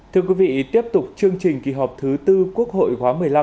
thưa quý vị tiếp tục chương trình kỳ họp thứ tư quốc hội khóa một mươi năm